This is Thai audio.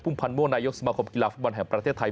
พันมั่วนายกสมาคมกีฬาฟุตบอลแห่งประเทศไทย